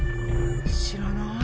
知らない。